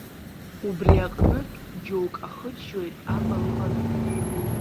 Убри аҟнытә, џьоук ахыччоит аҟырҟырҳәа.